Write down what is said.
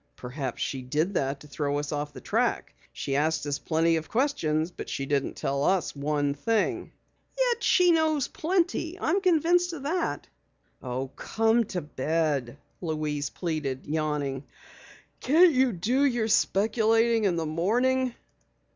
"Perhaps she did that to throw us off the track. She asked us plenty of questions but she didn't tell us one thing!" "Yet she knows plenty. I'm convinced of that." "Oh, come on to bed," Louise pleaded, yawning. "Can't you do your speculating in the morning?"